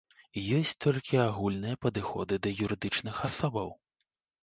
Ёсць толькі агульныя падыходы да юрыдычных асобаў.